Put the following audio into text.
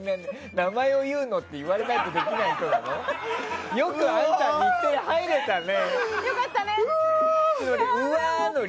名前を言うのって言われないとできない人なの？